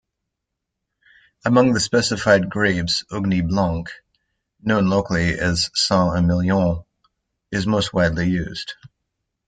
Among the specified grapes Ugni blanc, known locally as Saint-Emilion, is most widely used.